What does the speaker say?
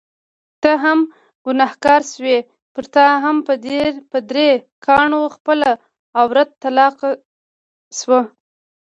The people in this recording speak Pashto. ته هم ګنهګار شوې، پرتا هم په درې کاڼو خپله عورته طلاقه شوه.